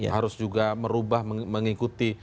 harus juga merubah mengikuti